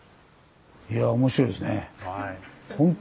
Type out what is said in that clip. いやぁ面白いですね。